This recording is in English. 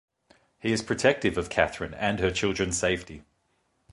He is protective of Kathryn and her children's safety.